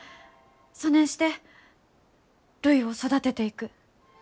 そねんしてるいを育てていく。